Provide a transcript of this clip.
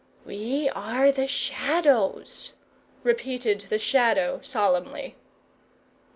"We are the Shadows," repeated the Shadow solemnly.